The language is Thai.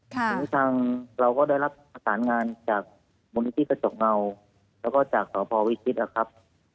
และทางเราก็ได้รับผสานงานจากมุมนิติกระจกเงาและก็จากต่อพอวิคิตนะครับ